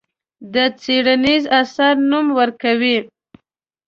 د څېړنیز اثر نوم ورکوي.